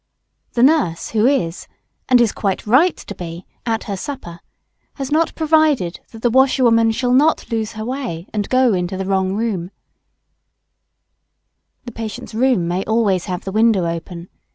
The nurse who is, and is quite right to be, at her supper, has not provided that the washerwoman shall not lose her way and go into the wrong room. [Sidenote: Sick room airing the whole house.] The patient's room may always have the window open.